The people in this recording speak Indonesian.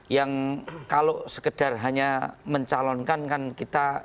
yang kalau sekedar hanya mencalonkan kan kita